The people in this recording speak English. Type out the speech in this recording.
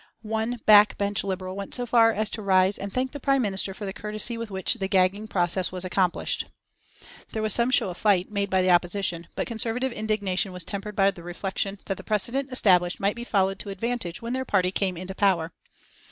One back bench Liberal went so far as to rise and thank the Prime Minister for the courtesy with which the gagging process was accomplished. There was some show of fight made by the Opposition, but Conservative indignation was tempered by the reflection that the precedent established might be followed to advantage when their party came into power.